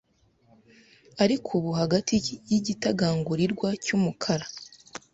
Ariko ubu hagati yigitagangurirwa cyumukara